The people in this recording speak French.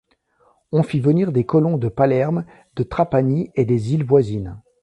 On fit venir des colons de Palerme, de Trapani et des îles voisines.